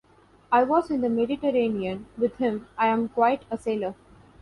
I was in the Mediterranean with him; I am quite a sailor.